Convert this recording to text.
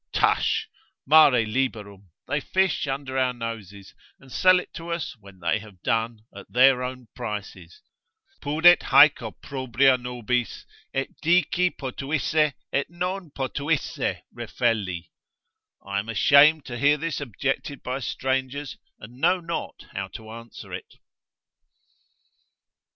Tush Mare liberum, they fish under our noses, and sell it to us when they have done, at their own prices. ———Pudet haec opprobria nobis Et dici potuisse, et non potuisse refelli. I am ashamed to hear this objected by strangers, and know not how to answer it.